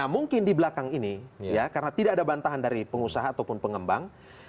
mungkin di belakang ini ya karena tidak ada bantahan dari pengusaha ataupun pengembang